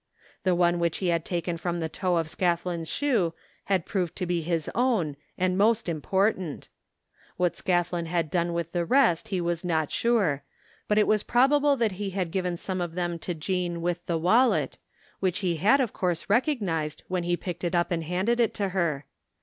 The one which he had taken from the toe of Scathlin's shoe had proved to be his own and most important. .What Scathlin had done with the rest he was not sure, but it was probable that he had given some of them to Jean with the wallet which he had, of course, recognized, when he picked it up and handed it to her.